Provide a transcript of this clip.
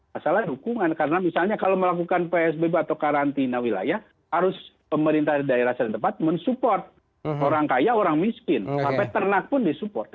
masalah hukuman karena misalnya kalau melakukan psbb atau karantina wilayah harus pemerintah daerah sederhana men support orang kaya orang miskin sampai ternak pun di support